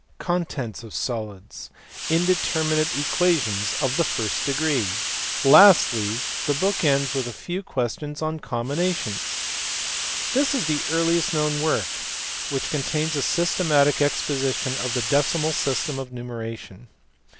Contents of solids. Indeterminate equations of the first degree. Lastly the book ends with a few questions on combinations. This is the earliest known work which contains a syste matic exposition of the decimal system of numeration.